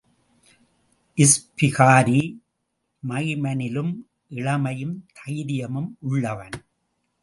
இஸ்பிகாரி மைமனிலும் இளமையும் தைரியமும் உள்ளவன்.